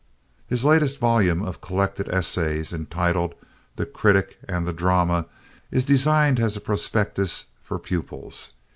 His latest volume of collected essays, entitled "The Critic and the Drama," is designed as a prospectus for pupils.